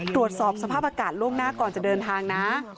ตรวจสอบสภาพอากาศล่วงหน้าก่อนจะเดินทางนะ